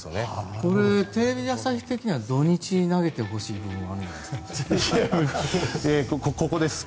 これ、テレビ朝日的には土日に投げてほしいところがあるんじゃないですか？